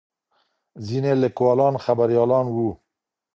ځینې لیکوالان خبریالان وو.